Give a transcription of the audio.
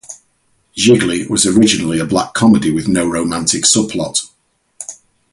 "Gigli" was originally a black comedy with no romantic subplot.